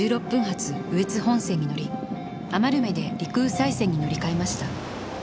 羽越本線に乗り余目で陸羽西線に乗り換えました。